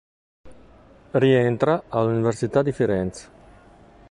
Rientra all'Università di Firenze.